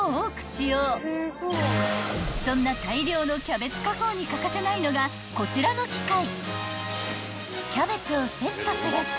［そんな大量のキャベツ加工に欠かせないのがこちらの機械］